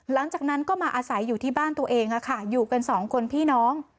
หลังจากนั้นก็มาอาศัยอยู่ที่บ้านตัวเองอยู่กันสองคนพี่น้อง